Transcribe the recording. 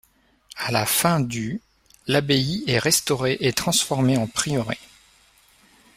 À la fin du l'abbaye est restaurée et transformée en prieuré.